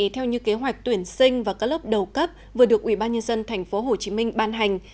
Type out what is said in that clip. theo như kế hoạch tuyển sinh và các lớp đầu cấp vừa được ủy ban nhân dân thành phố hồ chí minh ban hành